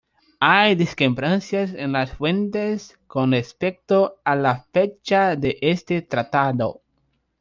Hay discrepancias en las fuentes con respecto a la fecha de este tratado.